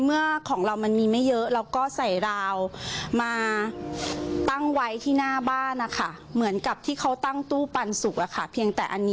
เยี่ยมเลยร่วมด้วยช่วยกัน